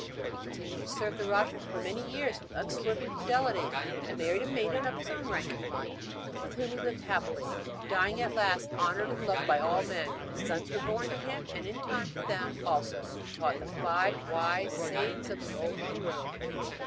He continued to serve the rajah for many years with unswerving fidelity; and married a maiden of his own rank in life, with whom he lived happily; dying at last honoured and loved by all men. Sons were born to him; and, in time, to them also he taught the five wise sayings of the old guru.